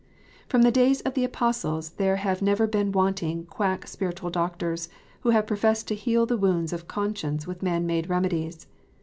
From the days of the Apostles there have never been wanting quack spiritual doctors, who have professed to heal the wounds of conscience with man made remedies.